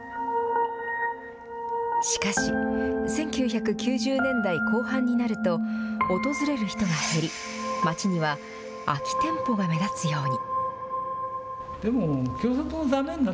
しかし１９９０年代後半になると訪れる人が減り街には空き店舗が目立つように。